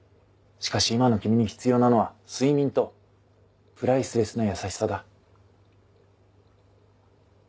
しかし今の君に必要なのは睡眠とプライスレスな優しさだ。